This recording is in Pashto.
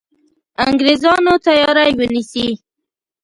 انګرېزانو تیاری ونیسي.